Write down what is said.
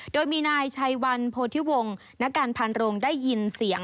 โดยมีนายชัยวันโพธิวงศ์นักการพันโรงได้ยินเสียง